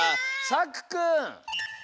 さくくん。